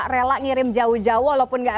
rela ngirim jauh jauh walaupun gak